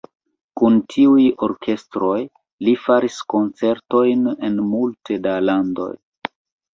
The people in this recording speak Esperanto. Kun tiuj orkestroj li faris koncertojn en multe da landoj.